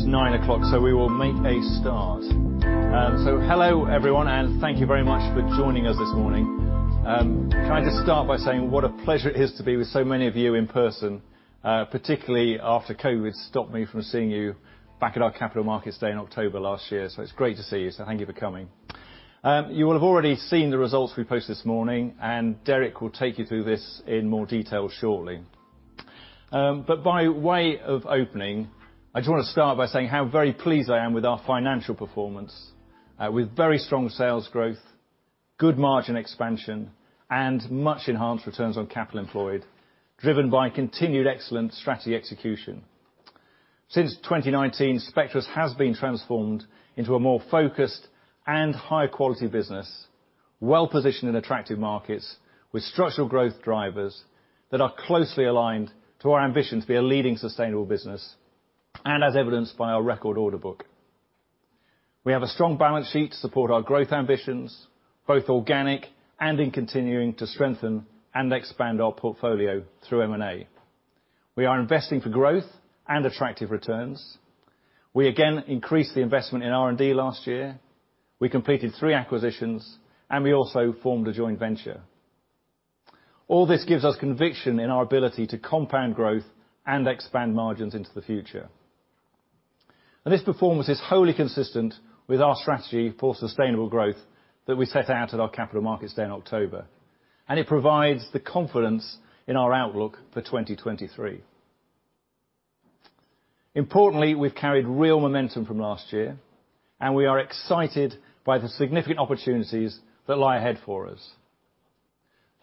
It's 9:00A.M., so we will make a start. Hello, everyone, and thank you very much for joining us this morning. Can I just start by saying what a pleasure it is to be with so many of you in person, particularly after COVID stopped me from seeing you back at our Capital Markets Day in October last year. It's great to see you. Thank you for coming. You will have already seen the results we posted this morning, and Derek will take you through this in more detail shortly. By way of opening, I just wanna start by saying how very pleased I am with our financial performance, with very strong sales growth, good margin expansion, and much enhanced return on capital employed, driven by continued excellent strategy execution. Since 2019, Spectris has been transformed into a more focused and high-quality business, well positioned in attractive markets with structural growth drivers that are closely aligned to our ambition to be a leading sustainable business, and as evidenced by our record order book. We have a strong balance sheet to support our growth ambitions, both organic and in continuing to strengthen and expand our portfolio through M&A. We are investing for growth and attractive returns. We again increased the investment in R&D last year. We completed three acquisitions, and we also formed a joint venture. All this gives us conviction in our ability to compound growth and expand margins into the future. This performance is wholly consistent with our strategy for sustainable growth that we set out at our Capital Markets Day in October, and it provides the confidence in our outlook for 2023. Importantly, we've carried real momentum from last year, and we are excited by the significant opportunities that lie ahead for us.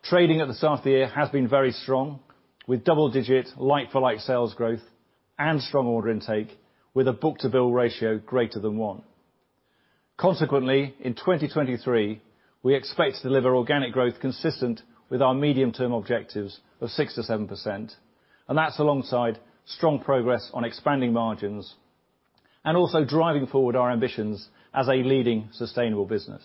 Trading at the start of the year has been very strong, with double-digit like-for-like sales growth and strong order intake, with a book-to-bill ratio greater than one. Consequently, in 2023, we expect to deliver organic growth consistent with our medium-term objectives of 6%-7%, and that's alongside strong progress on expanding margins and also driving forward our ambitions as a leading sustainable business.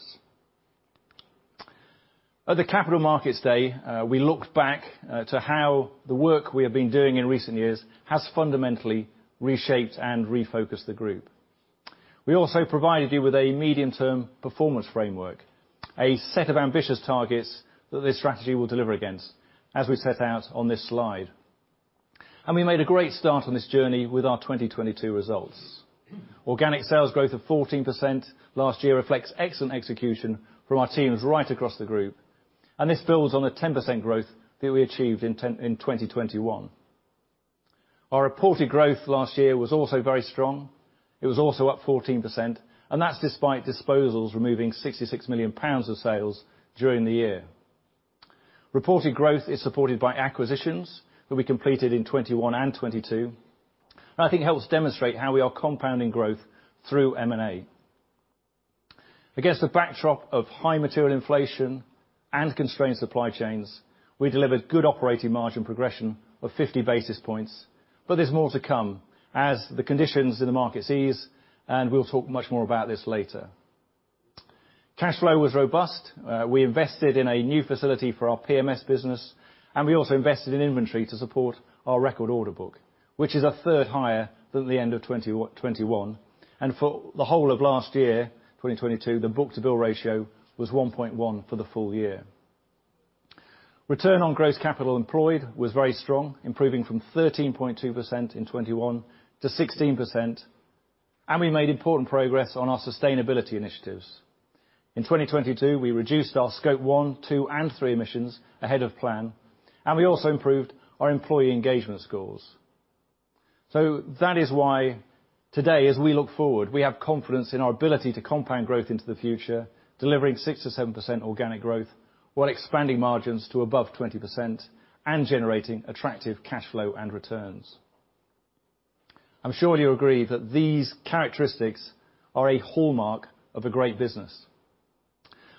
At the Capital Markets Day, we looked back to how the work we have been doing in recent years has fundamentally reshaped and refocused the group. We also provided you with a medium-term performance framework, a set of ambitious targets that this strategy will deliver against, as we set out on this slide. We made a great start on this journey with our 2022 results. Organic sales growth of 14% last year reflects excellent execution from our teams right across the group, this builds on a 10% growth that we achieved in 2021. Our reported growth last year was also very strong. It was also up 14%, that's despite disposals removing 66 million pounds of sales during the year. Reported growth is supported by acquisitions that we completed in 2021 and 2022. I think it helps demonstrate how we are compounding growth through M&A. Against a backdrop of high material inflation and constrained supply chains, we delivered good operating margin progression of 50 basis points, there's more to come as the conditions in the market seize, we'll talk much more about this later. Cash flow was robust. We invested in a new facility for our PMS business, and we also invested in inventory to support our record order book, which is a third higher than the end of 2021. For the whole of last year, 2022, the book-to-bill ratio was 1.1 for the full year. Return on gross capital employed was very strong, improving from 13.2% in 2021 to 16%, and we made important progress on our sustainability initiatives. In 2022, we reduced our Scope 1, 2, and 3 emissions ahead of plan. We also improved our employee engagement scores. That is why today, as we look forward, we have confidence in our ability to compound growth into the future, delivering 6%-7% organic growth while expanding margins to above 20% and generating attractive cash flow and returns. I'm sure you agree that these characteristics are a hallmark of a great business.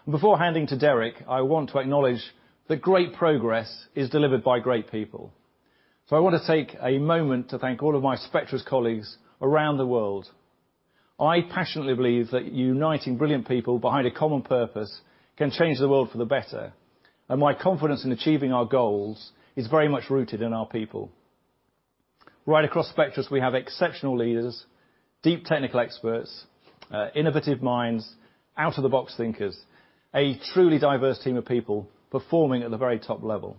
Before handing to Derek, I want to acknowledge that great progress is delivered by great people. I wanna take a moment to thank all of my Spectris colleagues around the world. I passionately believe that uniting brilliant people behind a common purpose can change the world for the better, and my confidence in achieving our goals is very much rooted in our people. Right across Spectris, we have exceptional leaders, deep technical experts, innovative minds, out-of-the-box thinkers, a truly diverse team of people performing at the very top level.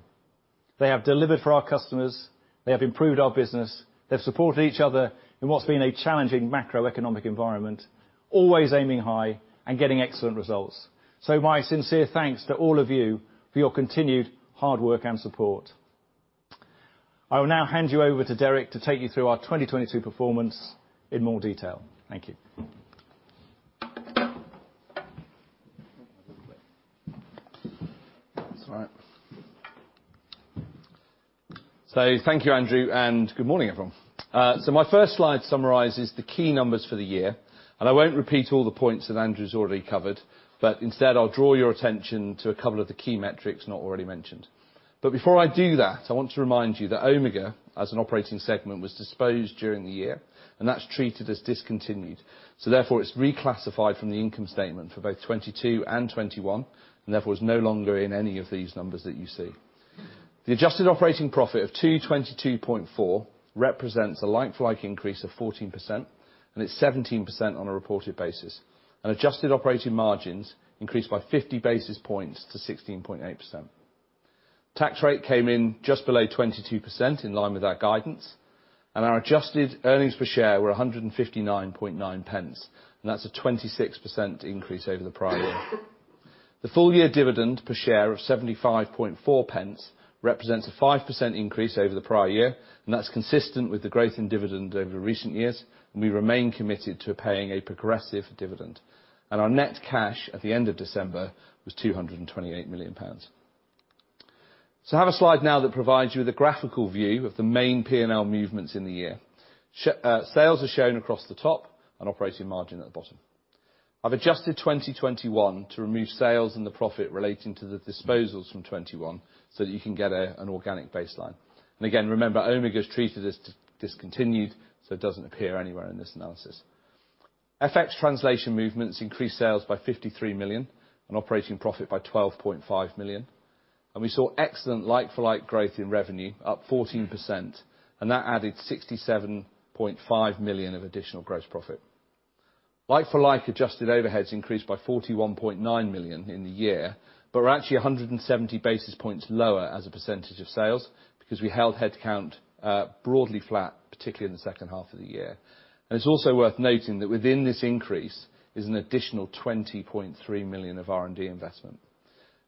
They have delivered for our customers, they have improved our business, they've supported each other in what's been a challenging macroeconomic environment, always aiming high and getting excellent results. My sincere thanks to all of you for your continued hard work and support. I will now hand you over to Derek to take you through our 2022 performance in more detail. Thank you. That's right. Thank you, Andrew, and good morning, everyone. My first slide summarizes the key numbers for the year, and I won't repeat all the points that Andrew's already covered, but instead I'll draw your attention to a couple of the key metrics not already mentioned. Before I do that, I want to remind you that Omega, as an operating segment, was disposed during the year, and that's treated as discontinued. Therefore, it's reclassified from the income statement for both 2022 and 2021, and therefore is no longer in any of these numbers that you see. The adjusted operating profit of 222.4 represents a like-for-like increase of 14%, and it's 17% on a reported basis. Adjusted operating margins increased by 50 basis points to 16.8%. Tax rate came in just below 22% in line with our guidance, our adjusted earnings per share were 1.599, and that's a 26% increase over the prior year. The full year dividend per share of 0.754 represents a 5% increase over the prior year, and that's consistent with the growth in dividend over recent years, and we remain committed to paying a progressive dividend. Our net cash at the end of December was 228 million pounds. I have a slide now that provides you with a graphical view of the main P&L movements in the year. Sales are shown across the top and operating margin at the bottom. I've adjusted 2021 to remove sales and the profit relating to the disposals from 2021 so that you can get an organic baseline. Again, remember, Omega is treated as discontinued, so it doesn't appear anywhere in this analysis. FX translation movements increased sales by 53 million and operating profit by 12.5 million. We saw excellent like-for-like growth in revenue up 14%, and that added 67.5 million of additional gross profit. Like-for-like adjusted overheads increased by 41.9 million in the year, we're actually 170 basis points lower as a percentage of sales because we held head count broadly flat, particularly in the second half of the year. It's also worth noting that within this increase is an additional 20.3 million of R&D investment.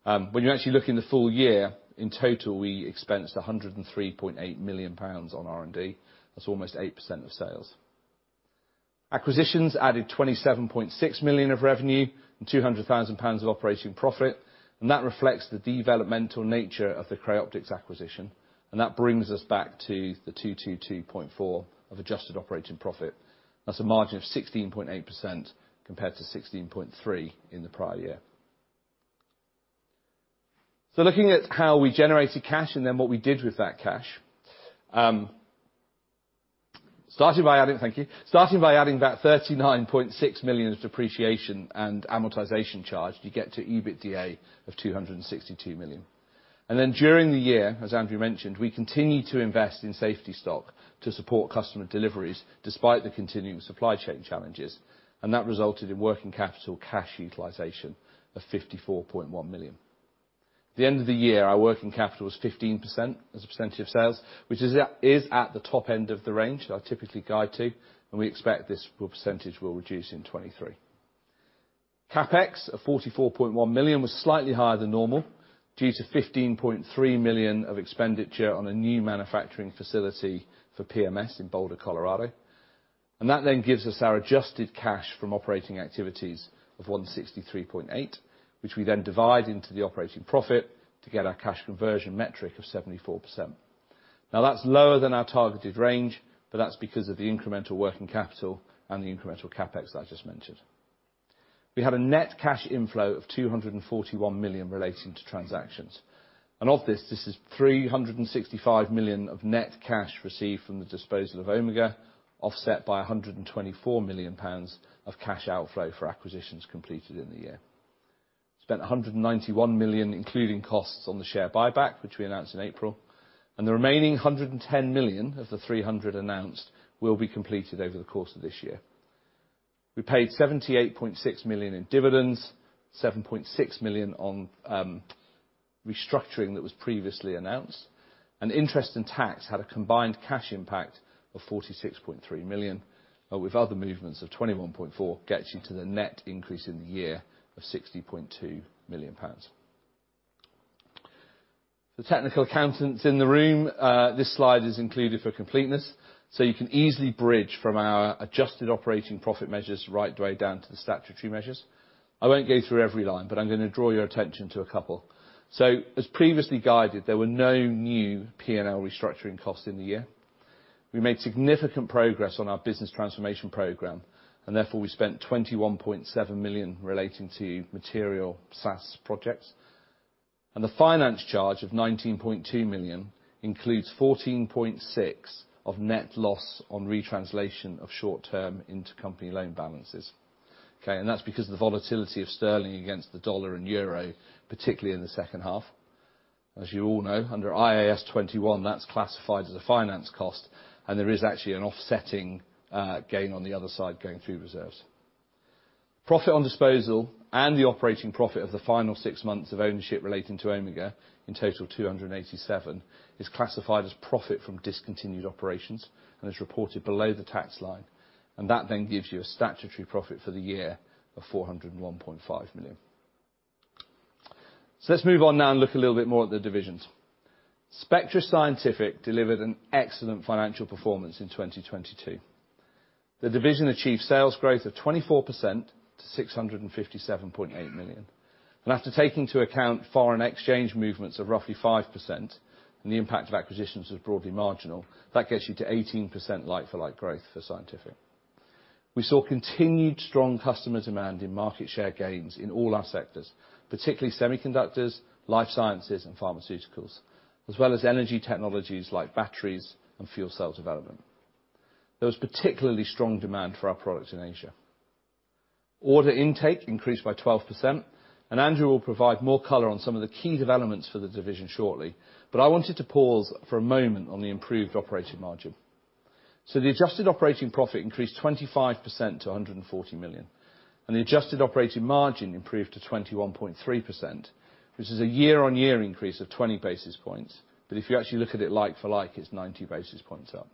When you're actually looking the full year, in total, we expensed 103.8 million pounds on R&D. That's almost 8% of sales. Acquisitions added 27.6 million of revenue and 200,000 pounds of operating profit. That reflects the developmental nature of the Creoptix acquisition. That brings us back to the 222.4 million of adjusted operating profit. That's a margin of 16.8% compared to 16.3% in the prior year. Looking at how we generated cash and then what we did with that cash, starting by adding back 39.6 million of depreciation and amortization charge, you get to EBITDA of 262 million. During the year, as Andrew mentioned, we continued to invest in safety stock to support customer deliveries despite the continuing supply chain challenges. That resulted in working capital cash utilization of 54.1 million. The end of the year, our working capital was 15% as a percentage of sales, which is at the top end of the range that I typically guide to, and we expect this percentage will reduce in 2023. CapEx of 44.1 million was slightly higher than normal due to 15.3 million of expenditure on a new manufacturing facility for PMS in Boulder, Colorado. That then gives us our adjusted cash from operating activities of 163.8 million, which we then divide into the operating profit to get our cash conversion metric of 74%. That's lower than our targeted range, but that's because of the incremental working capital and the incremental CapEx that I just mentioned. We have a net cash inflow of 241 million relating to transactions. Of this is 365 million of net cash received from the disposal of Omega, offset by 124 million pounds of cash outflow for acquisitions completed in the year. Spent 191 million including costs on the share buyback, which we announced in April, and the remaining 110 million of the 300 announced will be completed over the course of this year. We paid 78.6 million in dividends, 7.6 million on restructuring that was previously announced, and interest in tax had a combined cash impact of 46.3 million, with other movements of 21.4 million gets you to the net increase in the year of 60.2 million pounds. For technical accountants in the room, this slide is included for completeness, you can easily bridge from our adjusted operating profit measures right the way down to the statutory measures. I won't go through every line, I'm gonna draw your attention to a couple. As previously guided, there were no new P&L restructuring costs in the year. We made significant progress on our business transformation program, therefore, we spent 21.7 million relating to material SaaS projects. The finance charge of 19.2 million includes 14.6 of net loss on retranslation of short-term intercompany loan balances. That's because of the volatility of sterling against the dollar and euro, particularly in the second half. As you all know, under IAS 21, that's classified as a finance cost, and there is actually an offsetting gain on the other side going through reserves. Profit on disposal and the operating profit of the final six months of ownership relating to Omega, in total 287, is classified as profit from discontinued operations and is reported below the tax line. That then gives you a statutory profit for the year of 401.5 million. Let's move on now and look a little bit more at the divisions. Spectra Scientific delivered an excellent financial performance in 2022. The division achieved sales growth of 24% to 657.8 million. After taking into account foreign exchange movements of roughly 5% and the impact of acquisitions was broadly marginal, that gets you to 18% like-for-like growth for Scientific. We saw continued strong customer demand in market share gains in all our sectors, particularly semiconductors, life sciences and pharmaceuticals, as well as energy technologies like batteries and fuel cell development. There was particularly strong demand for our products in Asia. Order intake increased by 12%, and Andrew will provide more color on some of the key developments for the division shortly, but I wanted to pause for a moment on the improved operating margin. The adjusted operating profit increased 25% to 140 million, and the adjusted operating margin improved to 21.3%, which is a year-on-year increase of 20 basis points. If you actually look at it like-for-like, it's 90 basis points up.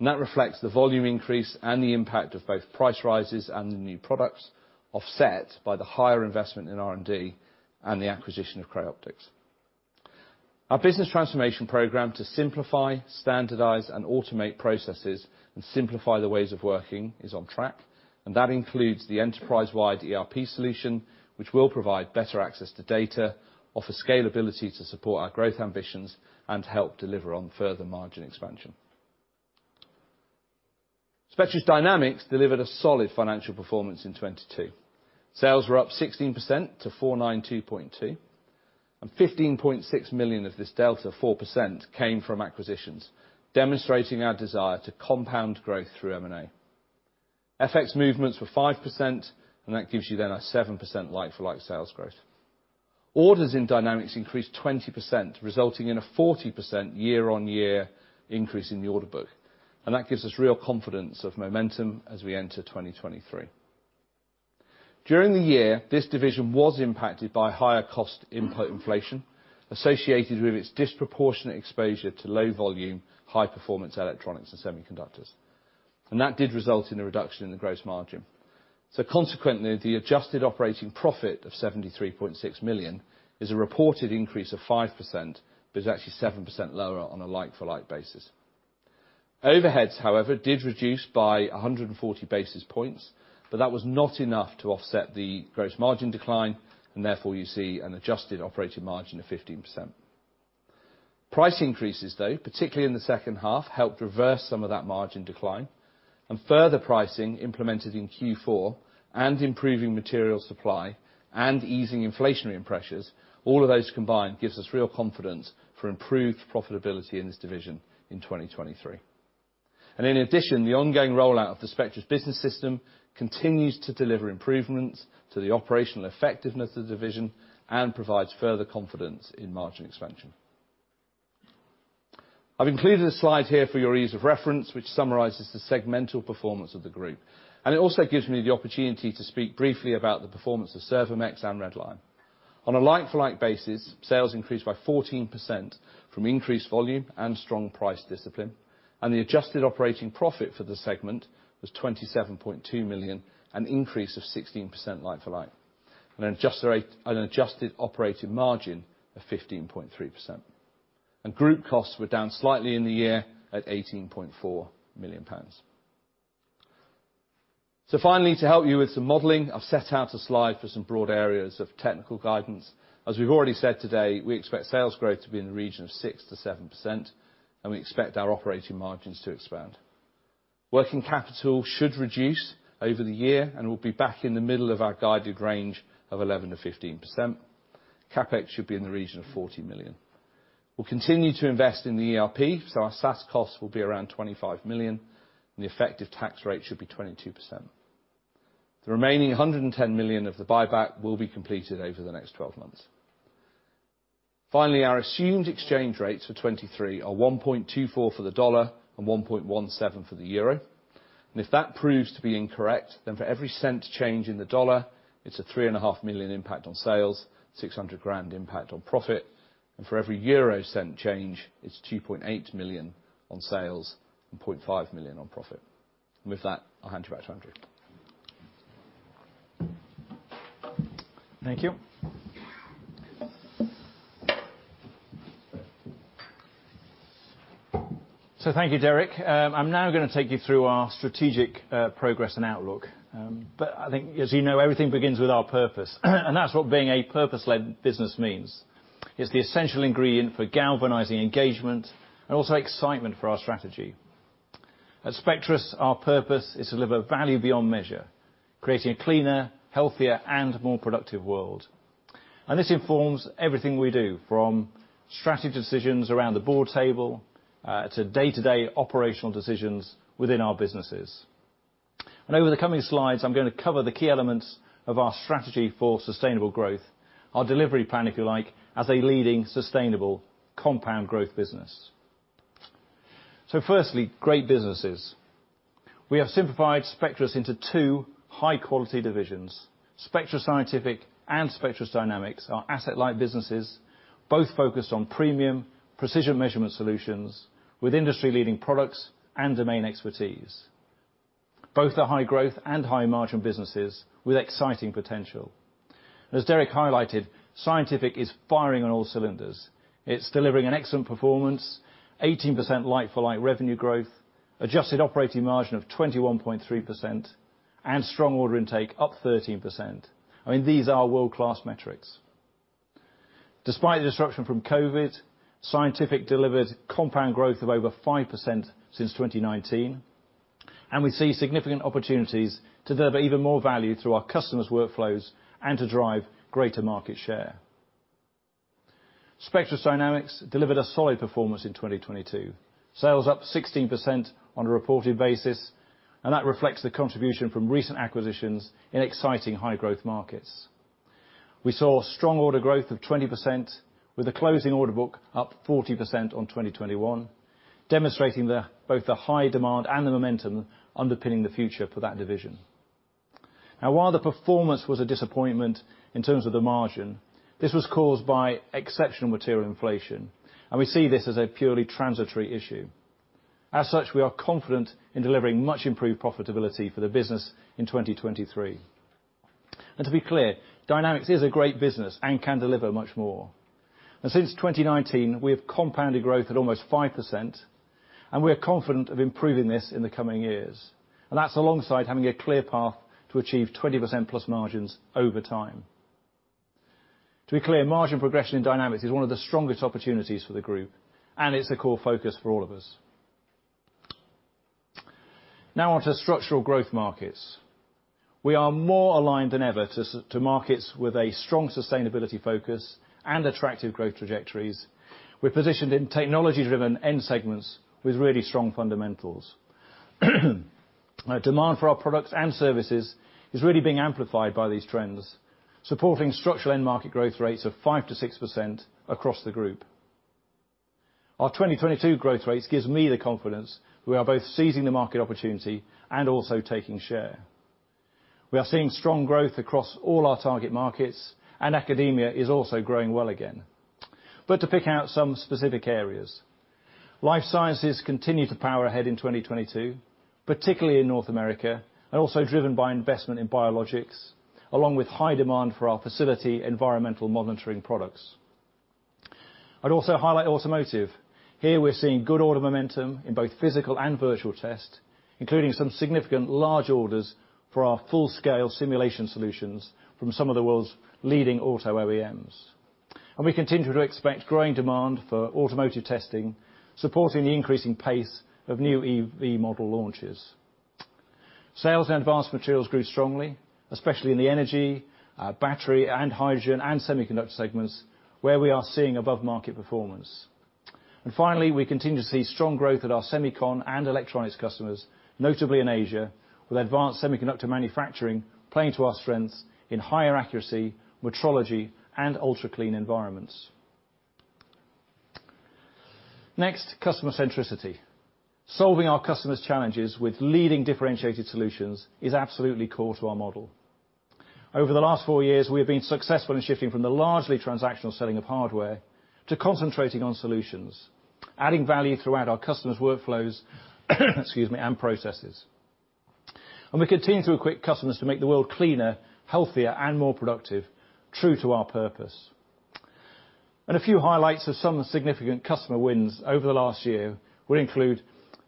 That reflects the volume increase and the impact of both price rises and the new products, offset by the higher investment in R&D and the acquisition of Creoptix. Our business transformation program to simplify, standardize, and automate processes, and simplify the ways of working is on track, and that includes the enterprise-wide ERP solution, which will provide better access to data, offer scalability to support our growth ambitions, and help deliver on further margin expansion. Spectris Dynamics delivered a solid financial performance in 2022. Sales were up 16% to 492.2, and 15.6 million of this delta, 4%, came from acquisitions, demonstrating our desire to compound growth through M&A. FX movements were 5%, that gives you then a 7% like-for-like sales growth. Orders in Dynamics increased 20%, resulting in a 40% year-on-year increase in the order book, that gives us real confidence of momentum as we enter 2023. During the year, this division was impacted by higher cost input inflation associated with its disproportionate exposure to low volume, high performance electronics and semiconductors, that did result in a reduction in the gross margin. Consequently, the adjusted operating profit of 73.6 million is a reported increase of 5%, but it's actually 7% lower on a like-for-like basis. Overheads, however, did reduce by 140 basis points, but that was not enough to offset the gross margin decline, and therefore, you see an adjusted operating margin of 15%. Price increases, though, particularly in the second half, helped reverse some of that margin decline, and further pricing implemented in Q4, and improving material supply, and easing inflationary pressures, all of those combined gives us real confidence for improved profitability in this division in 2023. In addition, the ongoing rollout of the Spectris Business System continues to deliver improvements to the operational effectiveness of the division and provides further confidence in margin expansion. I've included a slide here for your ease of reference, which summarizes the segmental performance of the group, and it also gives me the opportunity to speak briefly about the performance of Servomex and Red Lion. On a like-for-like basis, sales increased by 14% from increased volume and strong price discipline, and the adjusted operating profit for the segment was 27.2 million, an increase of 16% like-for-like, and adjusted operating margin of 15.3%. Group costs were down slightly in the year at 18.4 million pounds. Finally, to help you with some modeling, I've set out a slide for some broad areas of technical guidance. As we've already said today, we expect sales growth to be in the region of 6%-7%, and we expect our operating margins to expand. Working capital should reduce over the year and will be back in the middle of our guided range of 11%-15%. CapEx should be in the region of 40 million. We'll continue to invest in the ERP. Our SaaS costs will be around 25 million. The effective tax rate should be 22%. The remaining 110 million of the buyback will be completed over the next 12 months. Finally, our assumed exchange rates for 2023 are 1.24 for the dollar and 1.17 for the euro. If that proves to be incorrect, then for every cent change in the dollar, it's a three and a half million impact on sales, 600 grand impact on profit. For every euro cent change, it's 2.8 million on sales and 0.5 million on profit. With that, I'll hand you back to Andrew. Thank you. Thank you, Derek. I'm now gonna take you through our strategic progress and outlook. I think, as you know, everything begins with our purpose, and that's what being a purpose-led business means. It's the essential ingredient for galvanizing engagement and also excitement for our strategy. At Spectris, our purpose is to live a value beyond measure, creating a cleaner, healthier, and more productive world. This informs everything we do, from strategy decisions around the board table to day-to-day operational decisions within our businesses. Over the coming slides, I'm gonna cover the key elements of our strategy for sustainable growth, our delivery plan, if you like, as a leading sustainable compound growth business. Firstly, great businesses. We have simplified Spectris into two high-quality divisions. Spectris Scientific and Spectris Dynamics are asset light businesses, both focused on premium precision measurement solutions with industry-leading products and domain expertise. Both are high growth and high margin businesses with exciting potential. As Derek highlighted, Scientific is firing on all cylinders. It's delivering an excellent performance, 18% like-for-like revenue growth, adjusted operating margin of 21.3%, and strong order intake up 13%. I mean, these are world-class metrics. Despite the disruption from COVID, Scientific delivered compound growth of over 5% since 2019, and we see significant opportunities to deliver even more value through our customers' workflows and to drive greater market share. Spectris Dynamics delivered a solid performance in 2022. Sales up 16% on a reported basis, That reflects the contribution from recent acquisitions in exciting high growth markets. We saw strong order growth of 20% with a closing order book up 40% on 2021, demonstrating both the high demand and the momentum underpinning the future for that division. While the performance was a disappointment in terms of the margin, this was caused by exceptional material inflation, and we see this as a purely transitory issue. As such, we are confident in delivering much improved profitability for the business in 2023. To be clear, Dynamics is a great business and can deliver much more. Since 2019, we have compounded growth at almost 5%, and we are confident of improving this in the coming years. That's alongside having a clear path to achieve 20%+ margins over time. To be clear, margin progression in Dynamics is one of the strongest opportunities for the group, and it's a core focus for all of us. On to structural growth markets. We are more aligned than ever to markets with a strong sustainability focus and attractive growth trajectories. We're positioned in technology-driven end segments with really strong fundamentals. Our demand for our products and services is really being amplified by these trends, supporting structural end market growth rates of 5%-6% across the group. Our 2022 growth rates gives me the confidence we are both seizing the market opportunity and also taking share. We are seeing strong growth across all our target markets, and academia is also growing well again. To pick out some specific areas, life sciences continued to power ahead in 2022, particularly in North America, and also driven by investment in biologics, along with high demand for our facility environmental monitoring products. I'd also highlight automotive. Here, we're seeing good order momentum in both physical and virtual test, including some significant large orders for our full scale simulation solutions from some of the world's leading auto OEMs. We continue to expect growing demand for automotive testing, supporting the increasing pace of new EV model launches. Sales and advanced materials grew strongly, especially in the energy, battery and hydrogen and semiconductor segments, where we are seeing above market performance. Finally, we continue to see strong growth at our semicon and electronics customers, notably in Asia, with advanced semiconductor manufacturing playing to our strengths in higher accuracy, metrology and ultra-clean environments. Next, customer centricity. Solving our customers' challenges with leading differentiated solutions is absolutely core to our model. Over the last four years, we have been successful in shifting from the largely transactional selling of hardware to concentrating on solutions, adding value throughout our customers' workflows, excuse me, and processes. We continue to equip customers to make the world cleaner, healthier and more productive, true to our purpose. A few highlights of some significant customer wins over the last year would include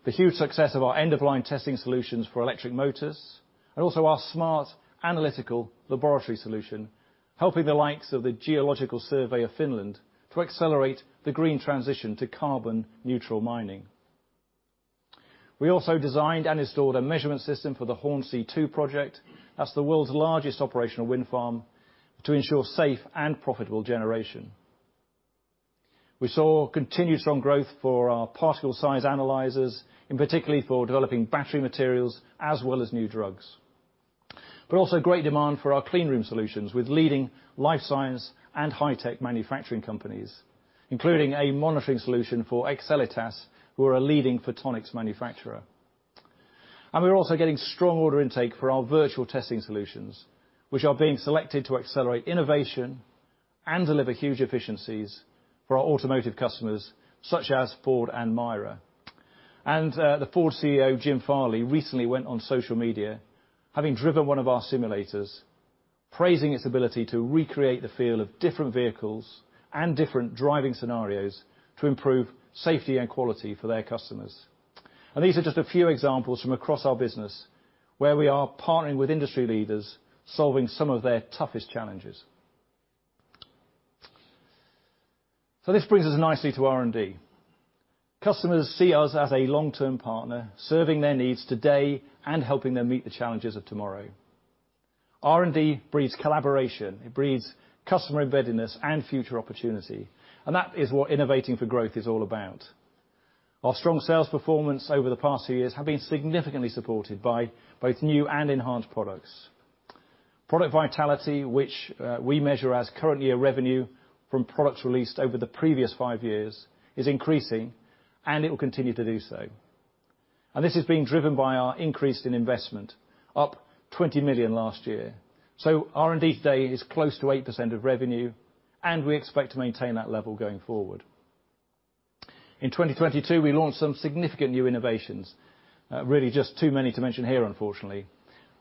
the huge success of our end-of-line testing solutions for electric motors, and also our smart analytical laboratory solution, helping the likes of the Geological Survey of Finland to accelerate the green transition to carbon neutral mining. We also designed and installed a measurement system for the Hornsea 2 project, that's the world's largest operational wind farm, to ensure safe and profitable generation. We saw continued strong growth for our particle size analyzers, in particularly for developing battery materials as well as new drugs. Also great demand for our clean room solutions with leading life science and high-tech manufacturing companies, including a monitoring solution for Excelitas, who are a leading photonics manufacturer. We're also getting strong order intake for our virtual testing solutions, which are being selected to accelerate innovation and deliver huge efficiencies for our automotive customers, such as Ford and MIRA. The Ford CEO, Jim Farley, recently went on social media, having driven one of our simulators, praising its ability to recreate the feel of different vehicles and different driving scenarios to improve safety and quality for their customers. These are just a few examples from across our business where we are partnering with industry leaders, solving some of their toughest challenges. This brings us nicely to R&D. Customers see us as a long-term partner, serving their needs today and helping them meet the challenges of tomorrow. R&D breeds collaboration. It breeds customer embeddedness and future opportunity. That is what innovating for growth is all about. Our strong sales performance over the past few years have been significantly supported by both new and enhanced products. Product Vitality, which we measure as currently a revenue from products released over the previous five years, is increasing and it will continue to do so. This is being driven by our increase in investment, up 20 million last year. R&D today is close to 8% of revenue, and we expect to maintain that level going forward. In 2022, we launched some significant new innovations, really just too many to mention here, unfortunately.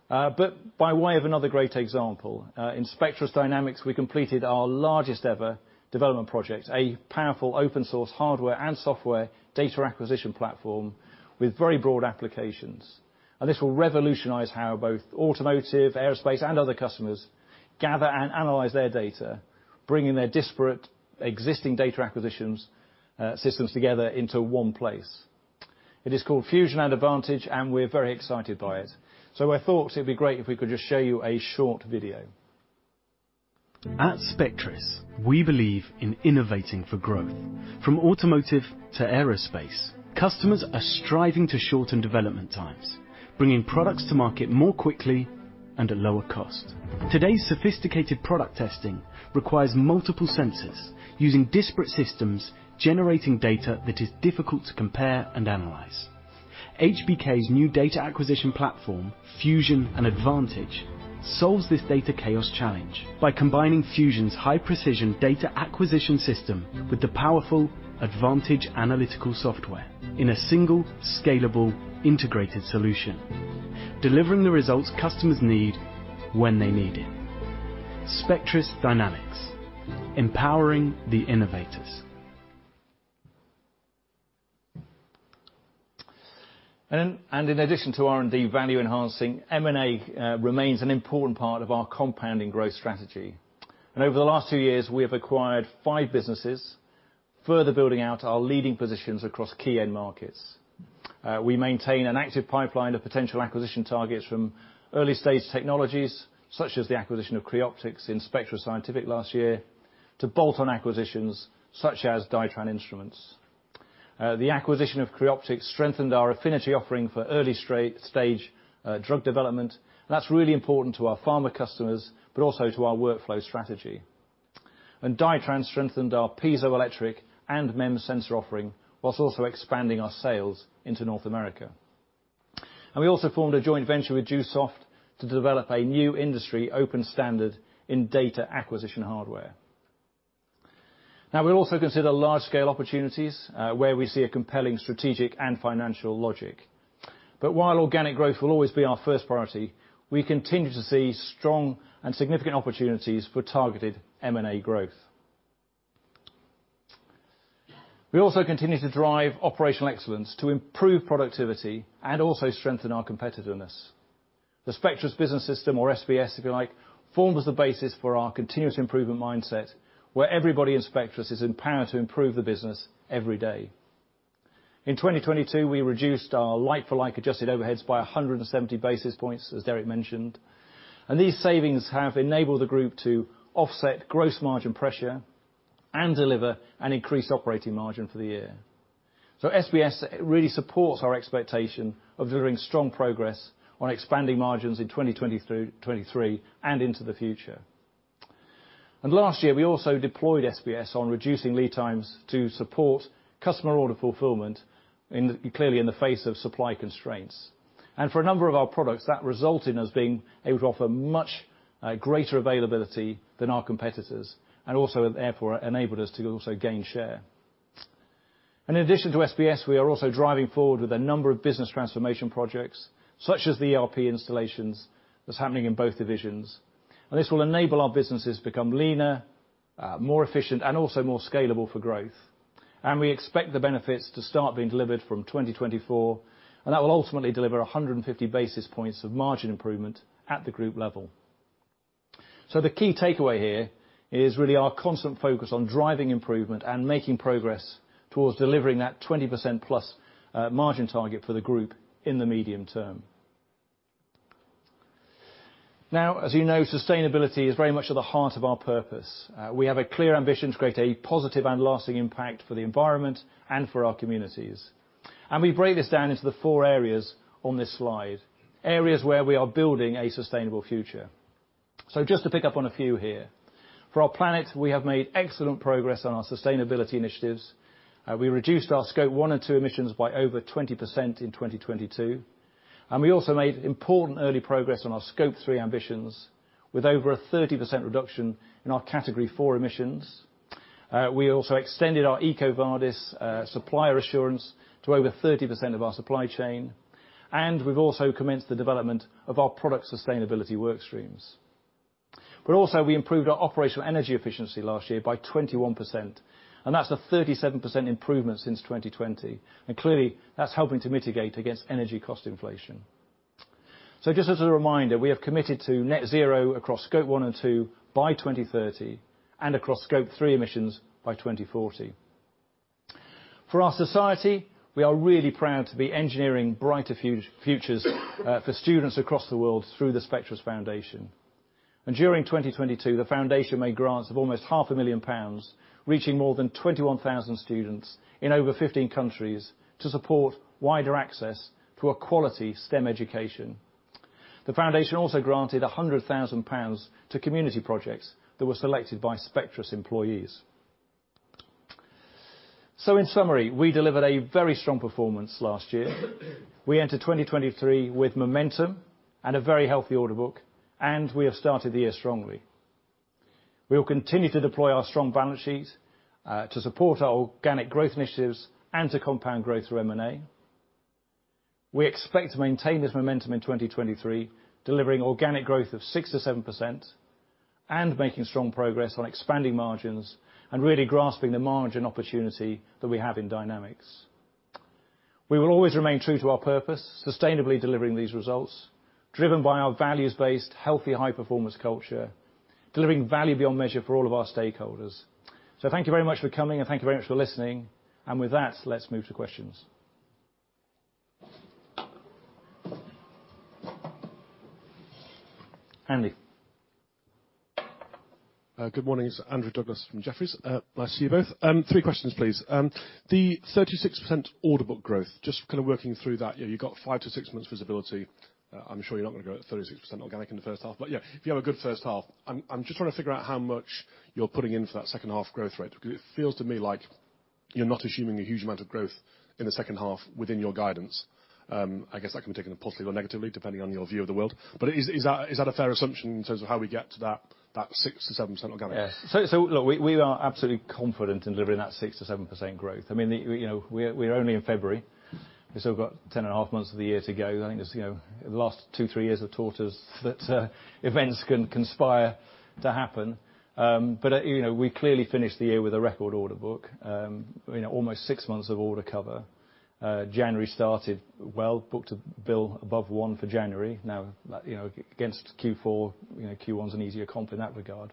By way of another great example, in Spectris Dynamics, we completed our largest ever development project, a powerful open source hardware and software data acquisition platform with very broad applications. This will revolutionize how both automotive, aerospace, and other customers gather and analyze their data, bringing their disparate existing data acquisitions, systems together into one place. It is called FUSION and ADVANTAGE, and we're very excited by it. I thought it'd be great if we could just show you a short video. At Spectris, we believe in innovating for growth. From automotive to aerospace, customers are striving to shorten development times, bringing products to market more quickly and at lower cost. Today's sophisticated product testing requires multiple sensors using disparate systems, generating data that is difficult to compare and analyze. HBK's new data acquisition platform, FUSION and ADVANTAGE, solves this data chaos challenge by combining FUSION's high-precision data acquisition system with the powerful ADVANTAGE analytical software in a single, scalable, integrated solution, delivering the results customers need when they need it. Spectris Dynamics, empowering the innovators. In addition to R&D value enhancing, M&A remains an important part of our compounding growth strategy. Over the last two years, we have acquired five businesses, further building out our leading positions across key end markets. We maintain an active pipeline of potential acquisition targets from early-stage technologies, such as the acquisition of Creoptix in Spectra Scientific last year, to bolt-on acquisitions, such as Dytran Instruments. The acquisition of Creoptix strengthened our affinity offering for early-stage drug development. That's really important to our pharma customers, but also to our workflow strategy. Dytran strengthened our piezoelectric and MEMS sensor offering, while also expanding our sales into North America. We also formed a joint venture with Dewesoft to develop a new industry open standard in data acquisition hardware. We also consider large-scale opportunities, where we see a compelling strategic and financial logic. While organic growth will always be our first priority, we continue to see strong and significant opportunities for targeted M&A growth. We also continue to drive operational excellence to improve productivity and also strengthen our competitiveness. The Spectris Business System, or SBS if you like, forms the basis for our continuous improvement mindset, where everybody in Spectris is empowered to improve the business every day. In 2022, we reduced our like-for-like adjusted overheads by 170 basis points, as Derek mentioned, and these savings have enabled the group to offset gross margin pressure and deliver an increased operating margin for the year. SBS really supports our expectation of delivering strong progress on expanding margins in 2023 and into the future. Last year, we also deployed SBS on reducing lead times to support customer order fulfillment in, clearly in the face of supply constraints. For a number of our products, that resulted in us being able to offer much, greater availability than our competitors, and also therefore enabled us to also gain share. In addition to SBS, we are also driving forward with a number of business transformation projects, such as the ERP installations that's happening in both divisions. This will enable our businesses to become leaner, more efficient, and also more scalable for growth. We expect the benefits to start being delivered from 2024, and that will ultimately deliver 150 basis points of margin improvement at the group level. The key takeaway here is really our constant focus on driving improvement and making progress towards delivering that 20%+, margin target for the group in the medium term. As you know, sustainability is very much at the heart of our purpose. We have a clear ambition to create a positive and lasting impact for the environment and for our communities. We break this down into the 4 areas on this slide, areas where we are building a sustainable future. Just to pick up on a few here. For our planet, we have made excellent progress on our sustainability initiatives. We reduced our Scope 1 and 2 emissions by over 20% in 2022, and we also made important early progress on our Scope 3 ambitions, with over a 30% reduction in our Category 4 emissions. We also extended our EcoVadis supplier assurance to over 30% of our supply chain, and we've also commenced the development of our product sustainability work streams. Also, we improved our operational energy efficiency last year by 21%, and that's a 37% improvement since 2020. Clearly, that's helping to mitigate against energy cost inflation. Just as a reminder, we have committed to net zero across Scope 1 and 2 by 2030 and across Scope 3 emissions by 2040. For our society, we are really proud to be engineering brighter futures for students across the world through The Spectris Foundation. During 2022, the foundation made grants of almost half a million GBP, reaching more than 21,000 students in over 15 countries to support wider access to a quality STEM education. The foundation also granted 100,000 pounds to community projects that were selected by Spectris employees. In summary, we delivered a very strong performance last year. We enter 2023 with momentum and a very healthy order book, and we have started the year strongly. We will continue to deploy our strong balance sheet to support our organic growth initiatives and to compound growth through M&A. We expect to maintain this momentum in 2023, delivering organic growth of 6%-7% and making strong progress on expanding margins and really grasping the margin opportunity that we have in Dynamics. We will always remain true to our purpose, sustainably delivering these results, driven by our values-based, healthy, high-performance culture. Delivering value beyond measure for all of our stakeholders. Thank you very much for coming, and thank you very much for listening. With that, let's move to questions. Andy. Good morning. It's Andrew Douglas from Jefferies. Nice to see you both. Three questions, please. The 36% order book growth, just kind of working through that. Yeah, you've got five to six months visibility. I'm sure you're not gonna grow at 36% organic in the first half. Yeah, if you have a good first half, I'm just trying to figure out how much you're putting in for that second half growth rate. It feels to me like you're not assuming a huge amount of growth in the second half within your guidance. I guess that can be taken positively or negatively, depending on your view of the world. Is that a fair assumption in terms of how we get to that 6%-7% organic? Yeah. Look, we are absolutely confident in delivering that 6%-7% growth. I mean, you know, we're only in February. We still got 10 and a half months of the year to go. I think just, you know, the last two, three years have taught us that events can conspire to happen. You know, we clearly finished the year with a record order book, you know, almost six months of order cover. January started well, book-to-bill above 1 for January. Like, you know, against Q4, you know, Q1's an easier comp in that regard.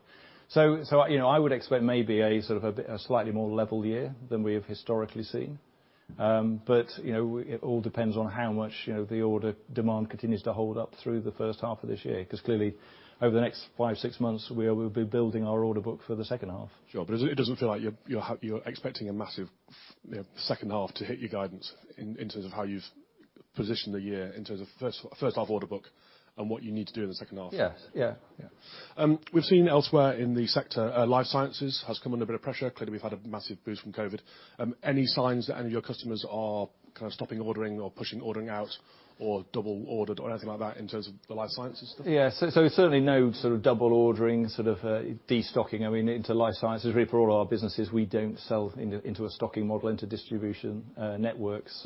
You know, I would expect maybe a slightly more level year than we have historically seen. you know, it all depends on how much, you know, the order demand continues to hold up through the first half of this year. 'Cause clearly, over the next five, six months, we will be building our order book for the second half. Sure, it doesn't feel like you're expecting a massive you know, second half to hit your guidance in terms of how you've positioned the year in terms of first half order book and what you need to do in the second half. Yeah. Yeah, yeah. We've seen elsewhere in the sector, life sciences has come under a bit of pressure. Clearly we've had a massive boost from COVID. Any signs that any of your customers are kind of stopping ordering or pushing ordering out or double ordered or anything like that in terms of the life sciences stuff? Yeah. Certainly no sort of double ordering, sort of destocking, I mean, into life sciences. Really for all our businesses, we don't sell into a stocking model, into distribution networks.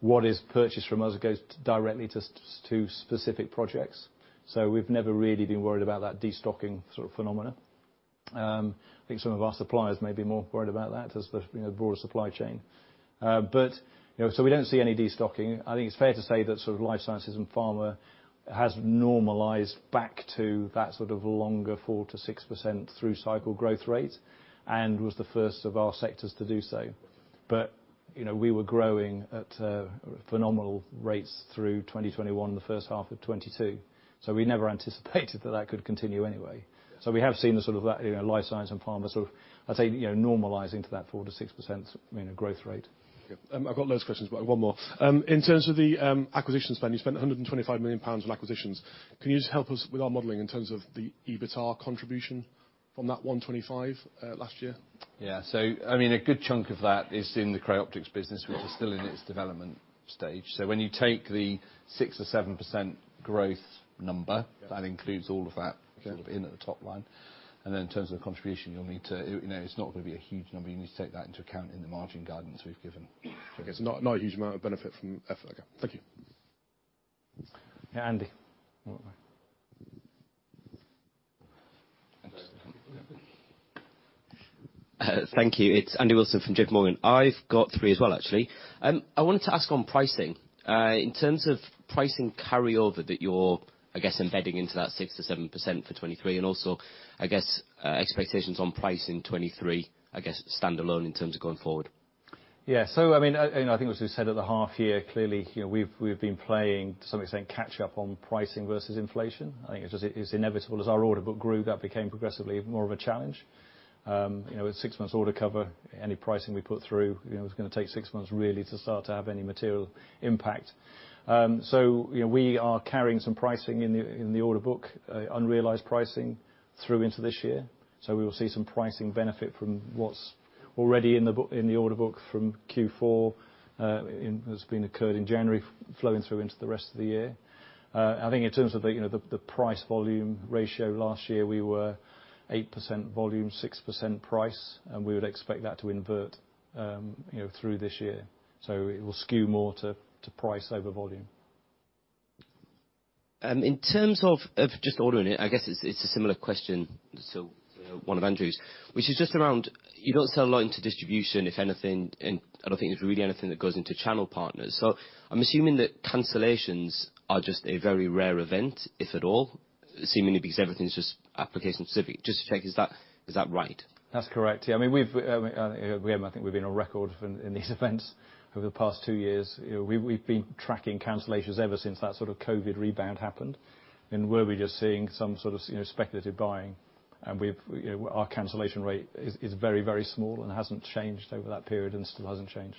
What is purchased from us goes directly to specific projects. We've never really been worried about that destocking sort of phenomena. Think some of our suppliers may be more worried about that as the, you know, broader supply chain. You know, we don't see any destocking. I think it's fair to say that sort of life sciences and pharma has normalized back to that sort of longer 4%-6% through cycle growth rate and was the first of our sectors to do so. You know, we were growing at phenomenal rates through 2021, the first half of 2022, we never anticipated that that could continue anyway. We have seen the sort of that, you know, life science and pharma sort of, I'd say, you know, normalizing to that 4%-6%, I mean, growth rate. I've got loads of questions, but one more. In terms of the acquisitions spend, you spent 125 million pounds on acquisitions. Can you just help us with our modeling in terms of the EBITA contribution from that 125 last year? Yeah. I mean, a good chunk of that is in the Creoptix business, which is still in its development stage. When you take the 6% or 7% growth number. Yeah... that includes all of that. Yeah sort of in at the top line. Then in terms of the contribution, you know, it's not gonna be a huge number. You need to take that into account in the margin guidance we've given. Okay. Not, not a huge amount of benefit from F. Okay. Thank you. Yeah. Andy. Thanks. Thank you. It's Andy Wilson from JPMorgan. I've got three as well, actually. I wanted to ask on pricing, in terms of pricing carryover that you're, I guess, embedding into that 6%-7% for 2023, and also, I guess, expectations on pricing in 2023, I guess standalone in terms of going forward. I think it was just said at the half year, clearly, you know, we've been playing, some might say catch up on pricing versus inflation. I think it's just, it's inevitable. As our order book grew, that became progressively more of a challenge. You know, with six months order cover, any pricing we put through, you know, was gonna take six months really to start to have any material impact. You know, we are carrying some pricing in the, in the order book, unrealized pricing through into this year. So we will see some pricing benefit from what's already in the order book from Q4, that's been occurred in January flowing through into the rest of the year. I think in terms of the, you know, the price volume ratio last year, we were 8% volume, 6% price. We would expect that to invert, you know, through this year. It will skew more to price over volume. In terms of just ordering it, I guess it's a similar question, one of Andrew's, which is just around, you don't sell a lot into distribution, if anything, and I don't think there's really anything that goes into channel partners. I'm assuming that cancellations are just a very rare event, if at all, seemingly because everything's just application specific. Just to check, is that right? That's correct. Yeah. I mean, we've, I think we've been a record for, in these events over the past two years. You know, we've been tracking cancellations ever since that sort of COVID rebound happened, and were we just seeing some sort of, you know, speculative buying. We've, you know, our cancellation rate is very, very small and hasn't changed over that period and still hasn't changed.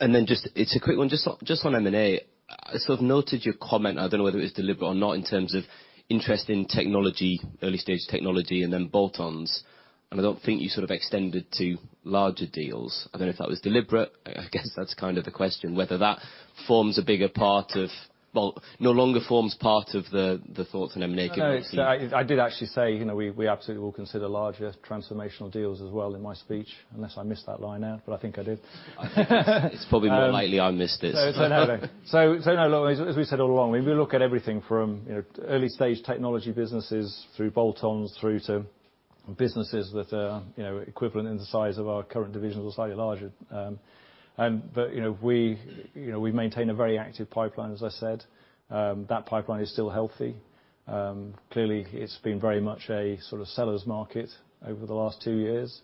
It's a quick one, just on M&A. I sort of noted your comment, I dunno whether it was deliberate or not, in terms of interest in technology, early stage technology and then bolt-ons, and I don't think you sort of extended to larger deals. I dunno if that was deliberate. I guess that's kind of the question, whether that forms a bigger part of... Well, no longer forms part of the thoughts on M&A going forward. No, I did actually say, you know, we absolutely will consider larger transformational deals as well in my speech, unless I missed that line out, but I think I did. It's probably more likely I missed it. No, as we said all along, we will look at everything from early stage technology businesses through bolt-ons, through to businesses that are equivalent in the size of our current divisions or slightly larger. We maintain a very active pipeline, as I said. That pipeline is still healthy. Clearly it's been very much a sort of seller's market over the last two years.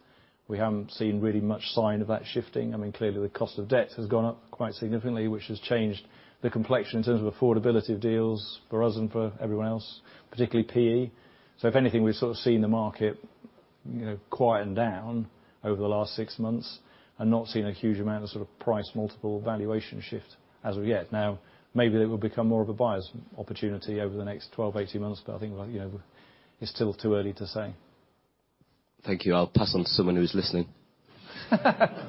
We haven't seen really much sign of that shifting. I mean, clearly the cost of debt has gone up quite significantly, which has changed the complexion in terms of affordability of deals for us and for everyone else, particularly PE. If anything, we've sort of seen the market, you know, quieten down over the last six months and not seen a huge amount of sort of price multiple valuation shift as of yet. Maybe it will become more of a buyer's opportunity over the next 12, 18 months, but I think, like, you know, it's still too early to say. Thank you. I'll pass on to someone who's listening.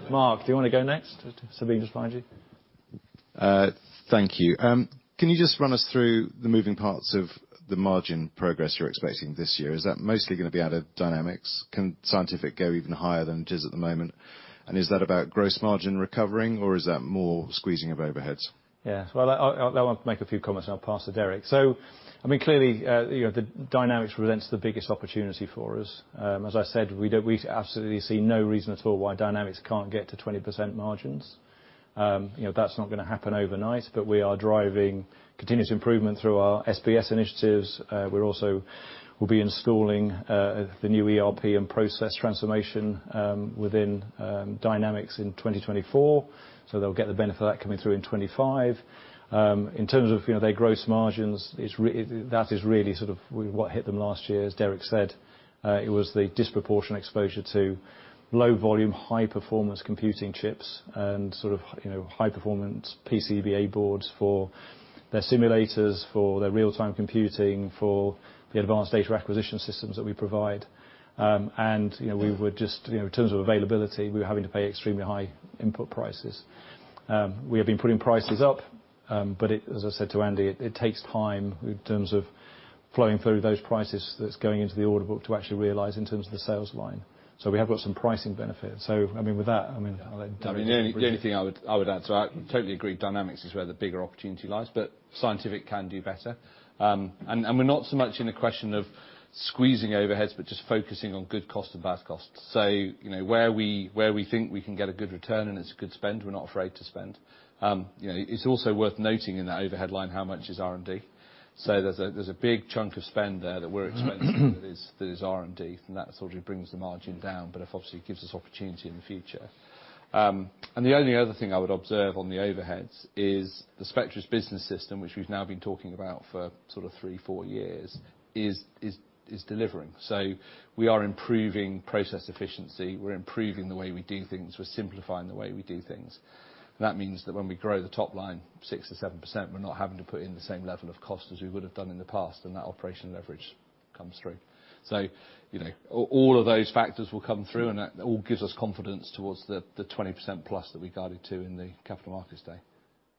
Mark, do you wanna go next? Sabine's behind you. Thank you. Can you just run us through the moving parts of the margin progress you're expecting this year? Is that mostly gonna be out of Dynamics? Can Scientific go even higher than it is at the moment? Is that about gross margin recovering, or is that more squeezing of overheads? Well, I want to make a few comments, and I'll pass to Derek. I mean, clearly, you know, the Dynamics presents the biggest opportunity for us. As I said, we absolutely see no reason at all why Dynamics can't get to 20% margins. You know, that's not gonna happen overnight, but we are driving continuous improvement through our SBS initiatives. We'll be installing the new ERP and process transformation within Dynamics in 2024, so they'll get the benefit of that coming through in 2025. In terms of, you know, their gross margins, that is really what hit them last year. As Derek said, it was the disproportionate exposure to low volume, high performance computing chips and sort of, you know, high performance PCBA boards for their simulators, for their real-time computing, for the advanced data acquisition systems that we provide. You know, we were just, you know, in terms of availability, we were having to pay extremely high input prices. We have been putting prices up, but as I said to Andy, it takes time in terms of flowing through those prices that's going into the order book to actually realize in terms of the sales line. We have got some pricing benefits. I mean, with that, I'll let Derek. The only thing I would add to that, I totally agree Dynamics is where the bigger opportunity lies, but Scientific can do better. And we're not so much in a question of squeezing overheads, but just focusing on good cost and bad costs. You know, where we think we can get a good return and it's a good spend, we're not afraid to spend. You know, it's also worth noting in that overhead line how much is R&D. There's a big chunk of spend there that we're expensing. Mm-hmm... that is R&D, and that sort of brings the margin down, but it obviously gives us opportunity in the future. The only other thing I would observe on the overheads is the Spectris Business System, which we've now been talking about for sort of three, four years is delivering. We are improving process efficiency. We're improving the way we do things. We're simplifying the way we do things. That means that when we grow the top line 6%-7%, we're not having to put in the same level of cost as we would have done in the past, and that operational leverage comes through. You know, all of those factors will come through, and that all gives us confidence towards the 20%+ that we guided to in the capital markets day.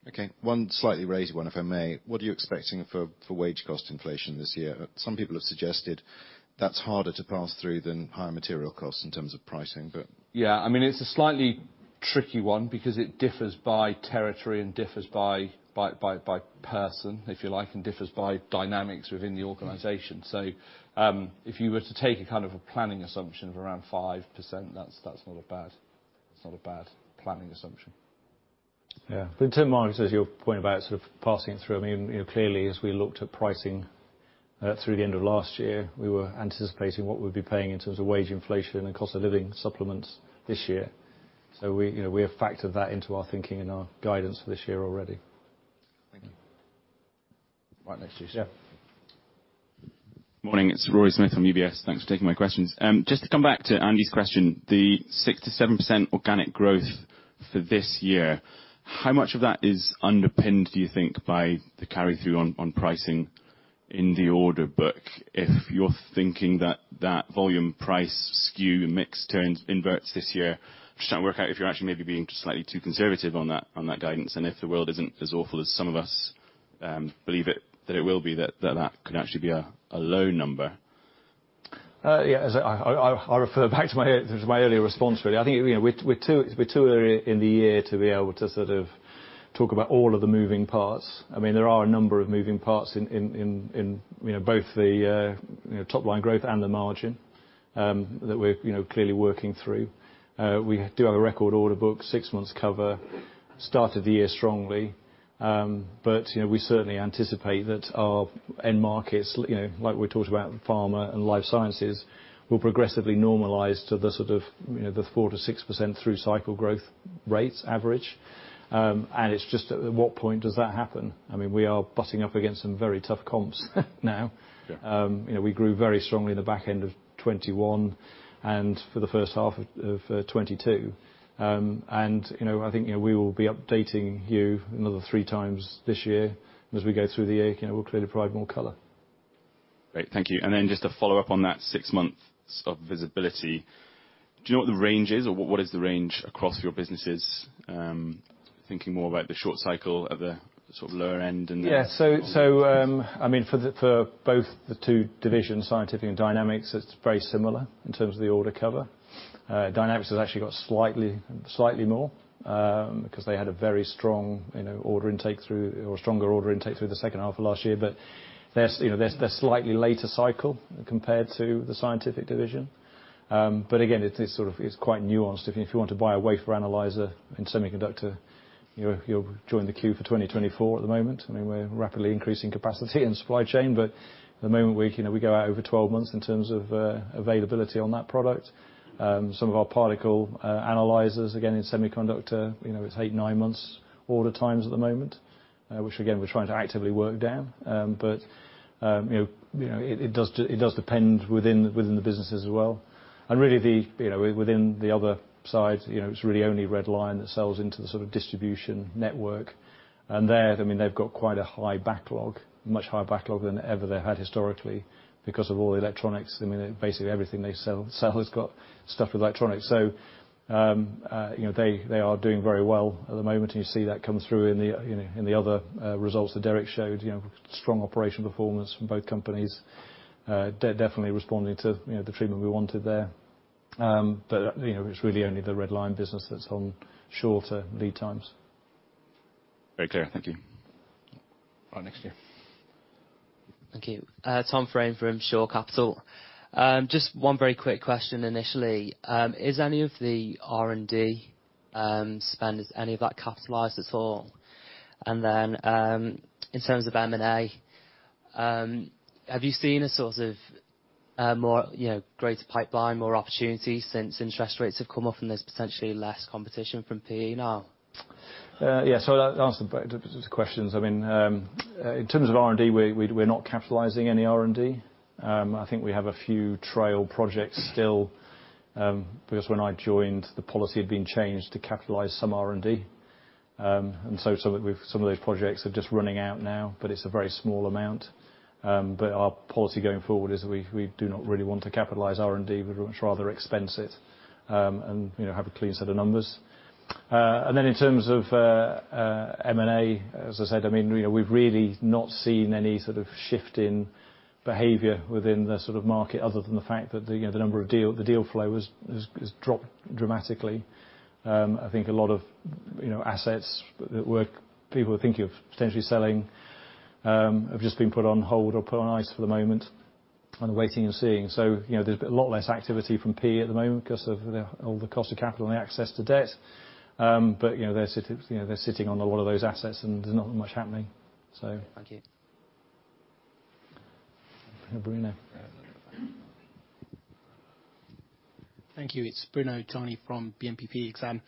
Okay. One slightly raised one, if I may. What are you expecting for wage cost inflation this year? Some people have suggested that's harder to pass through than higher material costs in terms of pricing, but- Yeah. I mean, it's a slightly tricky one because it differs by territory and differs by person, if you like, and differs by dynamics within the organization. If you were to take a kind of a planning assumption of around 5%, that's not a bad planning assumption. Yeah. In terms, Mark, as you point about sort of passing through, I mean, you know, clearly, as we looked at pricing, through the end of last year, we were anticipating what we'd be paying in terms of wage inflation and cost of living supplements this year. So we, you know, we have factored that into our thinking and our guidance for this year already. Thank you. Right. Next to you. Yeah. Morning. It's Rory Smith from UBS. Thanks for taking my questions. Just to come back to Andy's question, the 6%-7% organic growth for this year, how much of that is underpinned, do you think, by the carry-through on pricing in the order book? If you're thinking that that volume-price skew mix inverts this year, I'm just trying to work out if you're actually maybe being just slightly too conservative on that, on that guidance and if the world isn't as awful as some of us, that it will be, that could actually be a low number. Yeah. As I refer back to my earlier response, really. I think, you know, we're too early in the year to be able to sort of talk about all of the moving parts. I mean, there are a number of moving parts in, you know, both the, you know, top-line growth and the margin, that we're, you know, clearly working through. We do have a record order book, 6 months cover, started the year strongly. You know, we certainly anticipate that our end markets, you know, like we talked about, pharma and life sciences, will progressively normalize to the sort of, you know, the 4% to 6% through cycle growth rates average. It's just at what point does that happen? I mean, we are butting up against some very tough comps now. Yeah. You know, we grew very strongly in the back end of 2021 and for the first half of 2022. You know, I think, you know, we will be updating you another 3x this year as we go through the year. You know, we'll clearly provide more color. Great. Thank you. Just to follow up on that six months of visibility, do you know what the range is or what is the range across your businesses, thinking more about the short cycle at the sort of lower end? Yeah. I mean, for both the two divisions, Scientific and Dynamics, it's very similar in terms of the order cover. Dynamics has actually got slightly more, because they had stronger order intake through the second half of last year. They're, you know, they're slightly later cycle compared to the scientific division. Again, it is sort of, it's quite nuanced. If you want to buy a wafer analyzer in semiconductor, you're joined the queue for 2024 at the moment. I mean, we're rapidly increasing capacity in supply chain, at the moment, we, you know, we go out over 12 months in terms of availability on that product. Some of our particle analyzers, again, in semiconductor, you know, it's eight, nine months order times at the moment, which again, we're trying to actively work down. You know, it does depend within the business as well. Really the, you know, within the other side, you know, it's really only Red Lion that sells into the sort of distribution network. There, I mean, they've got quite a high backlog, much higher backlog than ever they had historically because of all the electronics. I mean, basically everything they sell has got stuffed with electronics. You know, they are doing very well at the moment, and you see that come through in the, you know, in the other results that Derek showed, you know, strong operational performance from both companies, definitely responding to, you know, the treatment we wanted there. You know, it's really only the Red Lion business that's on shorter lead times. Very clear. Thank you. All right. Next, yeah. Thank you. Tom Fraine from Shore Capital. Just one very quick question initially. Is any of the R&D spend, is any of that capitalized at all? In terms of M&A, have you seen a sort of, more, you know, greater pipeline, more opportunities since interest rates have come off and there's potentially less competition from PE now? Yeah. I'll answer both the two questions. I mean, in terms of R&D, we're not capitalizing any R&D. I think we have a few trail projects still because when I joined, the policy had been changed to capitalize some R&D. Some of those projects are just running out now, but it's a very small amount. Our policy going forward is we do not really want to capitalize R&D. We'd much rather expense it, and, you know, have a clean set of numbers. In terms of M&A, as I said, I mean, you know, we've really not seen any sort of shift in behavior within the sort of market other than the fact that, you know, the number of deal flow has dropped dramatically. I think a lot of, you know, assets people were thinking of potentially selling, have just been put on hold or put on ice for the moment and waiting and seeing. You know, there's a lot less activity from PE at the moment because of the, all the cost of capital and the access to debt. You know, they're sitting on a lot of those assets, and there's not much happening. Thank you. Bruno. Thank you. It's Bruno Gjani from BNP Exane.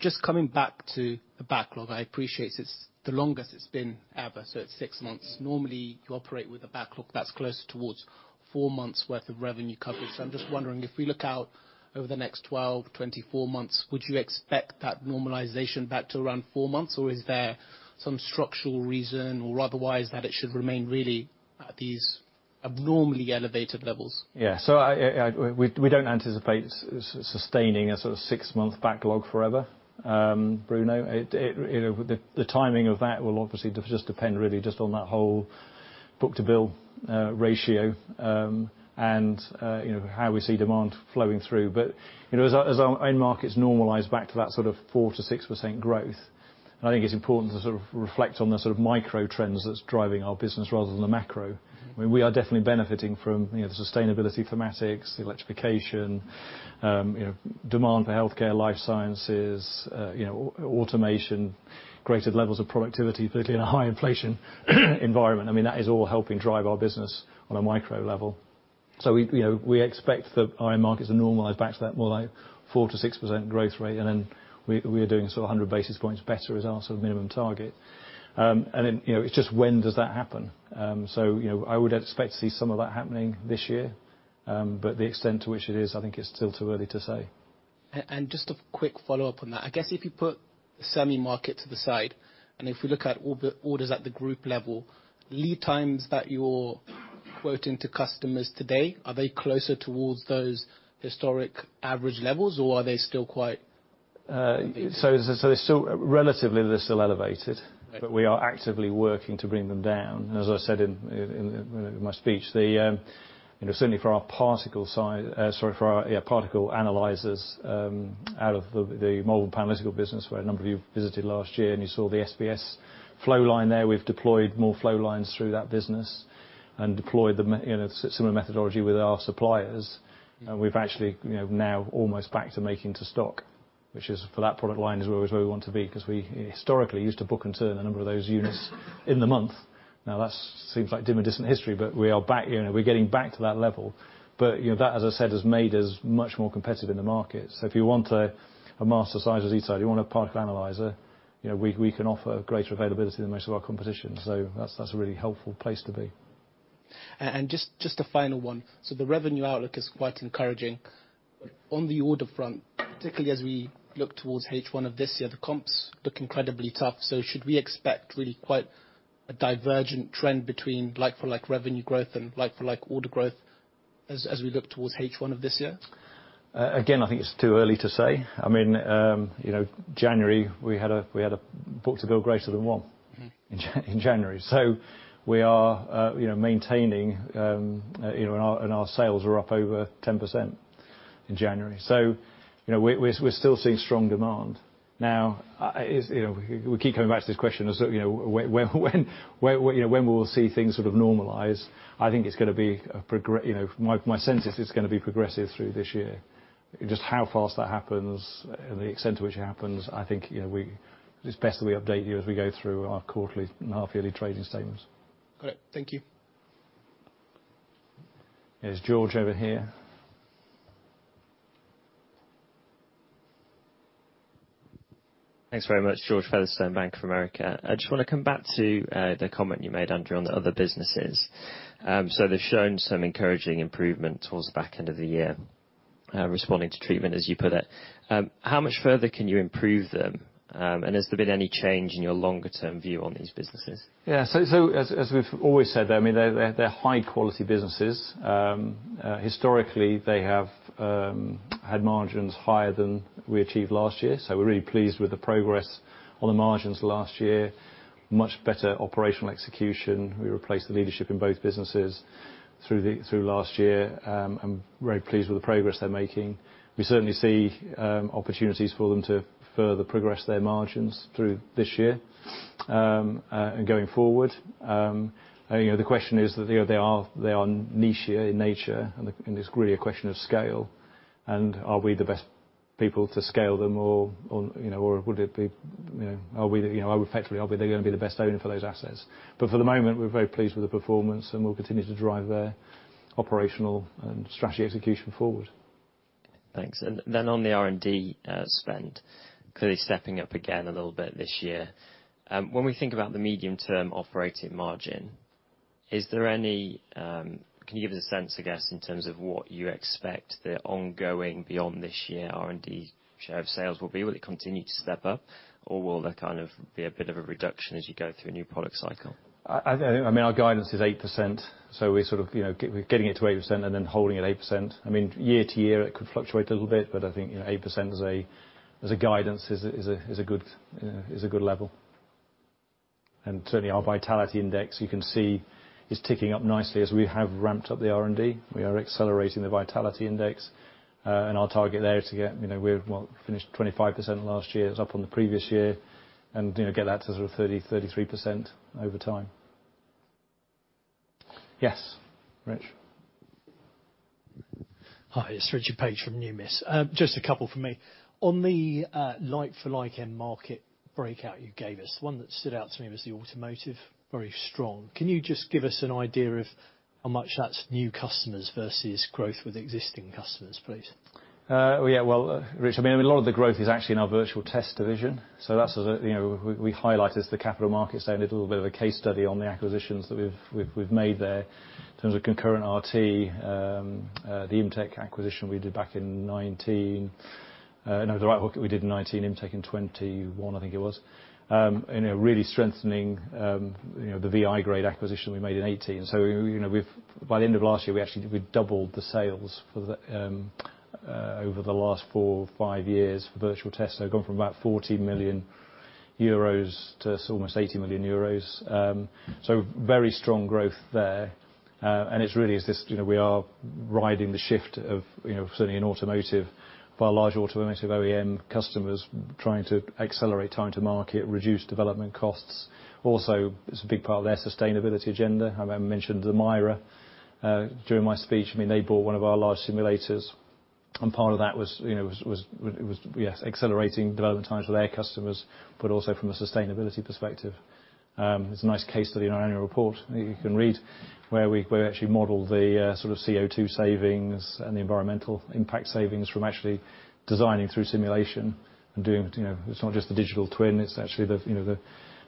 Just coming back to the backlog. I appreciate it's the longest it's been ever, so it's six months. Normally, you operate with a backlog that's closer towards four months worth of revenue coverage. I'm just wondering, if we look out over the next 12, 24 months, would you expect that normalization back to around four months, or is there some structural reason or otherwise that it should remain really at these abnormally elevated levels? We don't anticipate sustaining a sort of six-month backlog forever, Bruno. It, you know, the timing of that will obviously depend really just on that whole book-to-bill ratio, and, you know, how we see demand flowing through. You know, as our end markets normalize back to that sort of 4%-6% growth, and I think it's important to sort of reflect on the sort of microtrends that's driving our business rather than the macro. I mean, we are definitely benefiting from, you know, the sustainability thematics, the electrification, you know, demand for healthcare, life sciences, you know, automation, greater levels of productivity, particularly in a high inflation environment. I mean, that is all helping drive our business on a micro level. we, you know, we expect the end markets to normalize back to that more like 4%-6% growth rate, then we are doing sort of 100 basis points better is our sort of minimum target. Then, you know, it's just when does that happen? You know, I would expect to see some of that happening this year, but the extent to which it is, I think it's still too early to say. Just a quick follow-up on that. I guess if you put semi market to the side, and if we look at all the orders at the group level, lead times that you're quoting to customers today, are they closer towards those historic average levels, or are they still... relatively, they're still elevated. Right. We are actively working to bring them down. As I said in my speech, you know, certainly for our particle analyzers out of the Malvern Panalytical business, where a number of you visited last year and you saw the SPS flow line there, we've deployed more flow lines through that business and deployed you know, similar methodology with our suppliers. We've actually, you know, now almost back to making to stock, which is for that product line is where we want to be, because we historically used to book and turn a number of those units in the month. That seems like dim and distant history, we are back, you know, we're getting back to that level. You know, that, as I said, has made us much more competitive in the market. If you want a Mastersizer and Zetasizer, you want a particle analyzer, you know, we can offer greater availability than most of our competition. That's a really helpful place to be. Just a final one. The revenue outlook is quite encouraging. On the order front, particularly as we look towards H1 of this year, the comps look incredibly tough. Should we expect really quite a divergent trend between like-for-like revenue growth and like-for-like order growth as we look towards H1 of this year? Again, I think it's too early to say. I mean, you know, January, we had a book-to-bill greater than 1 in January. we are, you know, maintaining, you know, and our sales are up over 10% in January. you know, we're still seeing strong demand. you know, we keep coming back to this question as though, you know, when we will see things sort of normalize. I think it's gonna be, you know, my sense is it's gonna be progressive through this year. Just how fast that happens and the extent to which it happens, I think, you know, it's best that we update you as we go through our quarterly and half-yearly trading statements. Great. Thank you. Yes, George over here. Thanks very much. George Featherstone, Bank of America. I just wanna come back to the comment you made, Andrew, on the other businesses. They've shown some encouraging improvement towards the back end of the year, responding to treatment, as you put it. How much further can you improve them? Has there been any change in your longer-term view on these businesses? Yeah, as we've always said, I mean, they're high quality businesses. Historically, they have had margins higher than we achieved last year, so we're really pleased with the progress on the margins last year. Much better operational execution. We replaced the leadership in both businesses through last year. I'm very pleased with the progress they're making. We certainly see opportunities for them to further progress their margins through this year and going forward. You know, the question is that they are, they are niche-y in nature, and it's really a question of scale, and are we the best people to scale them or, you know, or would it be, you know... Are we, you know... Effectively, are we then gonna be the best owner for those assets? For the moment, we're very pleased with the performance, and we'll continue to drive their operational and strategy execution forward. Thanks. On the R&D spend, clearly stepping up again a little bit this year. When we think about the medium-term operating margin, can you give us a sense, I guess, in terms of what you expect the ongoing beyond this year R&D share of sales will be? Will it continue to step up, or will there kind of be a bit of a reduction as you go through a new product cycle? I mean, our guidance is 8%, so we're sort of, you know, we're getting it to 8% and then holding at 8%. I mean, year to year it could fluctuate a little bit, but I think, you know, 8% as a guidance is a good, you know, is a good level. Certainly our Vitality Index, you can see is ticking up nicely as we have ramped up the R&D. We are accelerating the Vitality Index, and our target there is to get, you know, we finished 25% last year. It was up on the previous year, and, you know, get that to sort of 30%-33% over time. Yes, Rich. Hi, it's Richard Paige from Numis. Just a couple from me. On the like-for-like end market breakout you gave us, one that stood out to me was the automotive. Very strong. Can you just give us an idea of how much that's new customers versus growth with existing customers, please? Yeah, well, Rich, I mean, a lot of the growth is actually in our virtual test division, so that's a, you know. We highlight as the capital markets a little bit of a case study on the acquisitions that we've made there in terms of Concurrent Real-Time. The MTEC acquisition we did back in 2019. No, the RightHook we did in 2019, MTEC in 2021, I think it was. And they're really strengthening, you know, the VI-grade acquisition we made in 2018. You know, we've. By the end of last year, we actually, we doubled the sales for the over the last four, five years for virtual tests. Gone from about 40 million euros to almost 80 million euros. Very strong growth there. It's really is this, you know, we are riding the shift of, you know, certainly in automotive by large automotive OEM customers trying to accelerate time to market, reduce development costs. It's a big part of their sustainability agenda. I mentioned MIRA during my speech. I mean, they bought one of our large simulators, part of that was, you know, was, yes, accelerating development times for their customers, also from a sustainability perspective. It's a nice case study in our annual report you can read where we actually model the sort of CO2 savings and the environmental impact savings from actually designing through simulation and doing, you know... It's not just the digital twin, it's actually the, you know, the,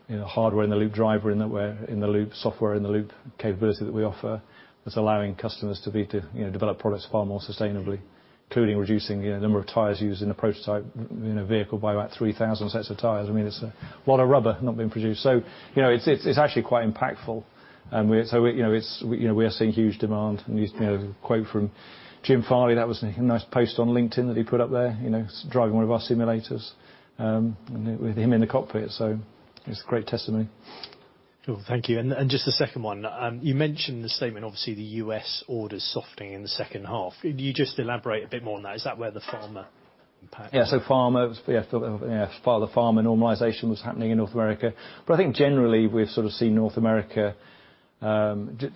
you know, hardware in the loop, driver in the loop, software in the loop capability that we offer that's allowing customers to be, to, you know, develop products far more sustainably, including reducing the number of tires used in a prototype, you know, vehicle by about 3,000 sets of tires. I mean, it's a lot of rubber not being produced. You know, it's actually quite impactful. You know, we are seeing huge demand. You know, a quote from Jim Farley, that was a nice post on LinkedIn that he put up there, you know, driving one of our simulators, and with him in the cockpit. It's a great testimony. Cool. Thank you. Just the second one. You mentioned in the statement, obviously, the U.S. orders softening in the second half. Could you just elaborate a bit more on that? Is that where the pharma impact. Yeah. Pharma, yeah. Part of the pharma normalization was happening in North America. I think generally we've sort of seen North America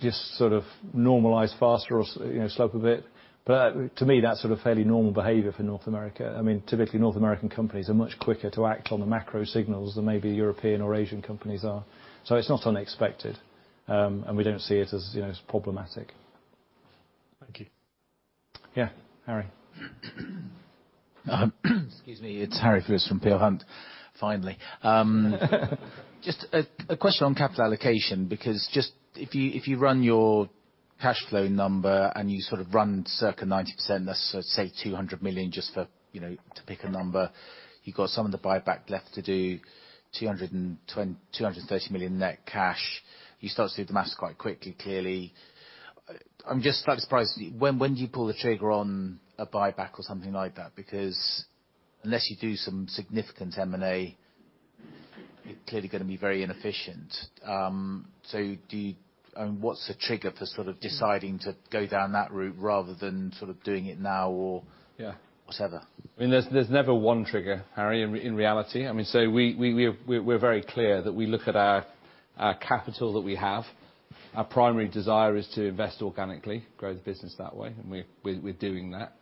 just sort of normalize faster or, you know, slope a bit. To me, that's sort of fairly normal behavior for North America. I mean, typically, North American companies are much quicker to act on the macro signals than maybe European or Asian companies are. It's not unexpected. We don't see it as, you know, as problematic. Thank you. Yeah, Harry. Excuse me. It's Harry Philips from Peel Hunt, finally. Just a question on capital allocation, because just if you, if you run your cashflow number and you sort of run circa 90%, that's sort of say 200 million just for, you know, to pick a number. You've got some of the buyback left to do, 230 million net cash. You start to see the math quite quickly, clearly. I'm just slightly surprised. When, when do you pull the trigger on a buyback or something like that? Unless you do some significant M&A. It's clearly gonna be very inefficient. What's the trigger for sort of deciding to go down that route rather than sort of doing it now or. Yeah -whatever? I mean, there's never one trigger, Harry, in reality. I mean, we're very clear that we look at our capital that we have. Our primary desire is to invest organically, grow the business that way, we're doing that.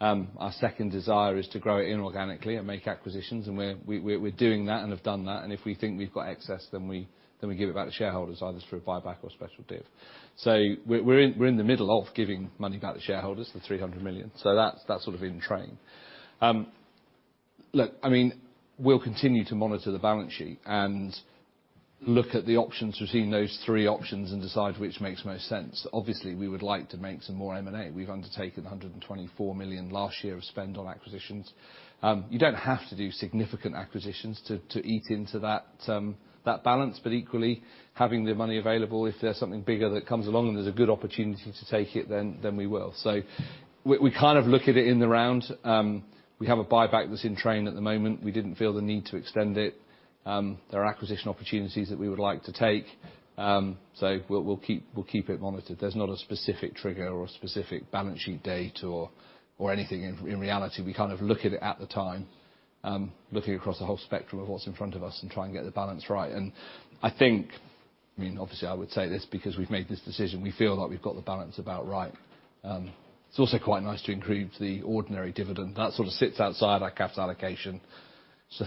Our second desire is to grow inorganically and make acquisitions, we're doing that and have done that. If we think we've got excess, then we give it back to shareholders, either through a buyback or special div. We're in the middle of giving money back to shareholders, the 300 million. That's sort of in train. Look, I mean, we'll continue to monitor the balance sheet and look at the options between those three options and decide which makes most sense. Obviously, we would like to make some more M&A. We've undertaken 124 million last year of spend on acquisitions. You don't have to do significant acquisitions to eat into that balance. Equally, having the money available, if there's something bigger that comes along and there's a good opportunity to take it, then we will. We kind of look at it in the round. We have a buyback that's in train at the moment. We didn't feel the need to extend it. There are acquisition opportunities that we would like to take. We'll keep it monitored. There's not a specific trigger or a specific balance sheet date or anything in reality. We kind of look at it at the time, looking across the whole spectrum of what's in front of us and try and get the balance right. I think, I mean, obviously, I would say this because we've made this decision, we feel like we've got the balance about right. It's also quite nice to increase the ordinary dividend. That sort of sits outside our capital allocation. It's the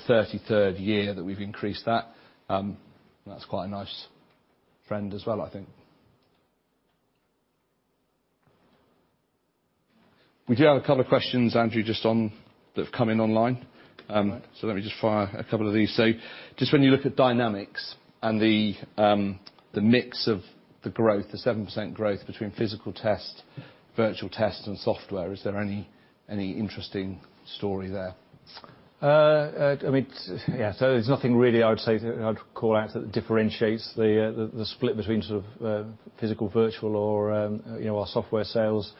33rd year that we've increased that. That's quite a nice trend as well, I think. We do have a couple of questions, Andrew, just that have come in online. Right. Let me just fire a couple of these. Just when you look at Spectris Dynamics and the mix of the growth, the 7% growth between physical test, virtual test, and software, is there any interesting story there? I mean, yeah. There's nothing really I would say I'd call out that differentiates the split between sort of physical, virtual or, you know, our software sales.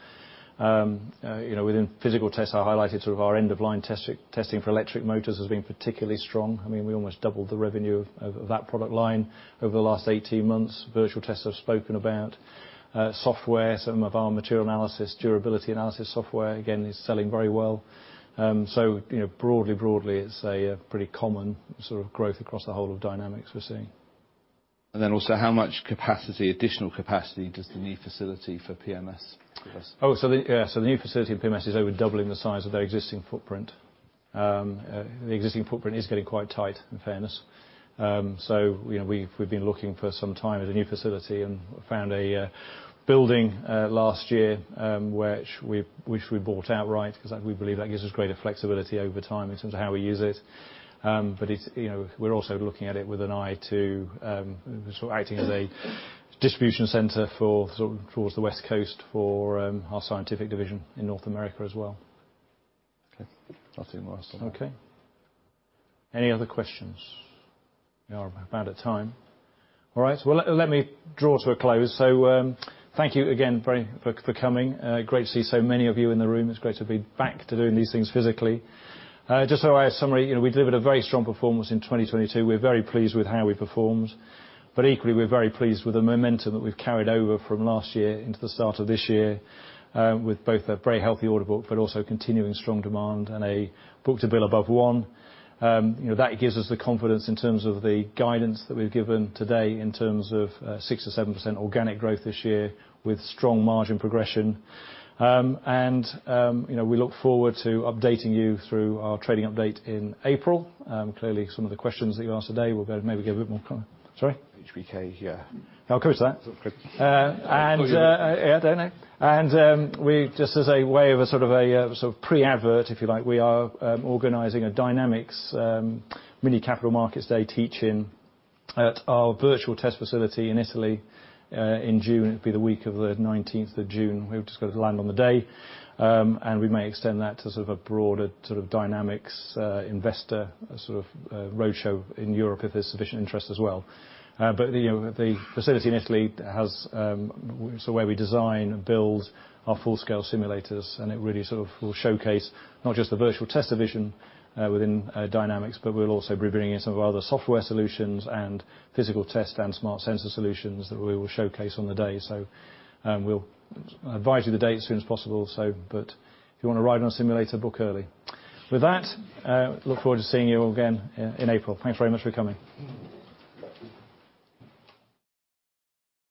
You know, within physical tests, I highlighted sort of our end-of-line testing for electric motors has been particularly strong. I mean, we almost doubled the revenue of that product line over the last 18 months. Virtual tests, I've spoken about. Software, some of our material analysis, durability analysis software, again, is selling very well. You know, broadly, it's a pretty common sort of growth across the whole of dynamics we're seeing. Also how much capacity, additional capacity does the new facility for PMS give us? The new facility in PMS is over doubling the size of their existing footprint. The existing footprint is getting quite tight, in fairness. You know, we've been looking for some time at a new facility and found a building last year, which we bought outright because we believe that gives us greater flexibility over time in terms of how we use it. It's, you know, we're also looking at it with an eye to sort of acting as a distribution center for sort of towards the West Coast for our scientific division in North America as well. Okay. Nothing more. Okay. Any other questions? We are about out of time. All right. Well, let me draw to a close. Thank you again for coming. Great to see so many of you in the room. It's great to be back to doing these things physically. Just so I summary. You know, we delivered a very strong performance in 2022. We're very pleased with how we performed. Equally, we're very pleased with the momentum that we've carried over from last year into the start of this year, with both a very healthy order book, but also continuing strong demand and a book-to-bill above 1. You know, that gives us the confidence in terms of the guidance that we've given today in terms of 6%-7% organic growth this year with strong margin progression. You know, we look forward to updating you through our trading update in April. Clearly some of the questions that you asked today maybe give a bit more color. Sorry? HBK here. Of course, that. Good. Uh, and, uh... Thought. Yeah, don't know. We just as a way of a sort of a sort of pre-advert, if you like, we are organizing a Dynamics mini capital markets day teaching at our virtual test facility in Italy in June. It'll be the week of the 19th of June. We've just got to land on the day. We may extend that to sort of a broader sort of Dynamics investor sort of roadshow in Europe if there's sufficient interest as well. You know, the facility in Italy has, it's the way we design and build our full-scale simulators, and it really sort of will showcase not just the virtual test division within Dynamics, but we'll also be bringing in some of our other software solutions and physical test and smart sensor solutions that we will showcase on the day. We'll advise you the date as soon as possible. If you wanna ride on a simulator, book early. With that, look forward to seeing you all again in April. Thanks very much for coming.